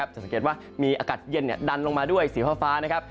จะสังเกตว่ามีอากาศเย็นดันลงมาด้วยสีฟ้านะครับ